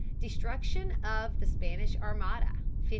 Destruction of the Spanish Armada, 1588.